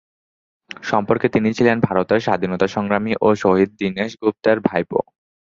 সম্পর্কে তিনি ছিলেন ভারতের স্বাধীনতা সংগ্রামী ও শহীদ দীনেশ গুপ্তের ভাইপো।